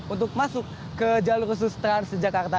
untuk masuk ke jalur khusus transjakarta